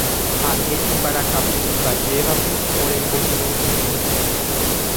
Haʼe imbarakapu ipajévape ore mbojuruheʼẽ.